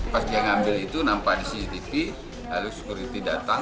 pas dia ngambil itu nampak di cctv lalu security datang